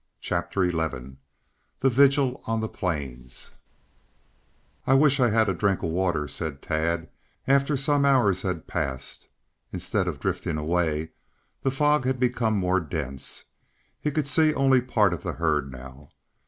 CHAPTER XI THE VIGIL ON THE PLAINS "I wish I had a drink of water," said Tad after some hours had passed. Instead of drifting away, the fog had become more dense. He could see only part of the herd now.